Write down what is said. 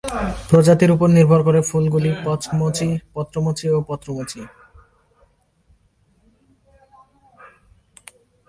প্রজাতির ওপর নির্ভর করে ফুলগুলি পত্রমোচী বা পত্রমোচী।